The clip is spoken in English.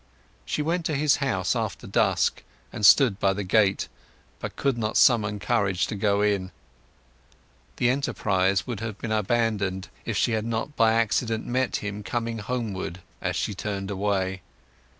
She went to his house after dusk, and stood by the gate, but could not summon courage to go in. The enterprise would have been abandoned if she had not by accident met him coming homeward as she turned away.